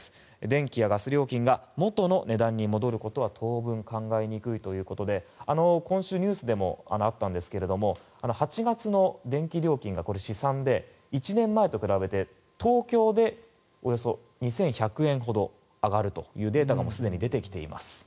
電気やガス料金が元の値段に戻るのは当分考えにくいということで今週ニュースでもあったんですが８月の電気料金が試算で１年前と比べて東京でおよそ２１００円ほど上がるというデータがもうすでに出てきています。